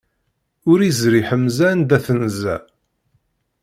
Ur iẓri ḥemza anda tenza.